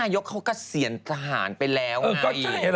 นายกเขาก็เสียนทหารไปแล้วน่ะอีก